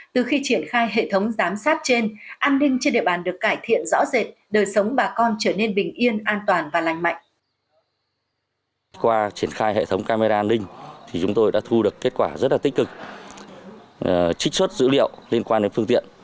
từ khi triển khai hệ thống giám sát trên an ninh trên địa bàn được cải thiện rõ rệt đời sống bà con trở nên bình yên an toàn và lành mạnh